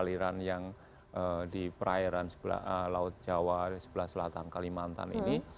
aliran yang di perairan laut jawa sebelah selatan kalimantan ini